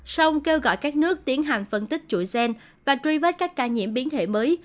song kêu gọi các nước tiến hành phân tích chuỗi gen và truy vết các ca nhiễm biến hệ mới